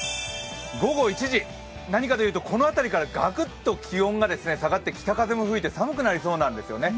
午後１時、何かと言うと、この辺りからガクッと気温が下がって北風も吹いて寒くなりそうなんですね。